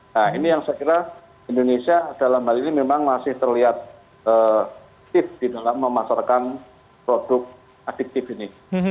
nah ini yang saya kira indonesia dalam hal ini memang masih terlihat aktif di dalam memasarkan produk adiktif ini